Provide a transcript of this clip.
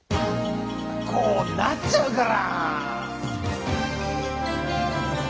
こうなっちゃうから！